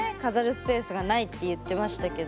スペースがないって言ってましたけど。